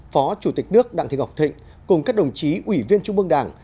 phó chủ tịch nước đảng thị ngọc thịnh cùng các đồng chí ủy viên trung ương đảng